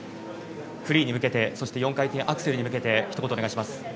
フリーに向けてそして４回転アクセルに向けてひと言お願いします。